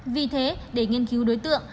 vì thế để nghiên cứu đối tượng